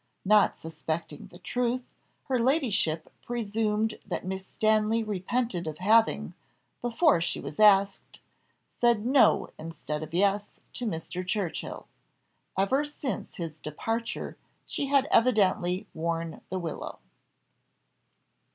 Not suspecting the truth, her ladyship presumed that Miss Stanley repented of having, before she was asked, said No instead of Yes, to Mr. Churchill. Ever since his departure she had evidently worn the willow.